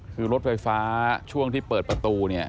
คือรถไฟฟ้าช่วงที่เปิดประตูเนี่ย